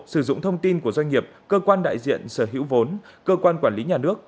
sử dụng thông tin của doanh nghiệp cơ quan đại diện sở hữu vốn cơ quan quản lý nhà nước